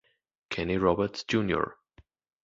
Kenny Roberts jr.